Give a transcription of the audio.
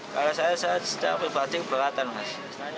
kalau saya sudah pribadi beratan mas